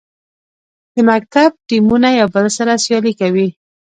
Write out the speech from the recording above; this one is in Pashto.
د مکتب ټیمونه یو بل سره سیالي کوي.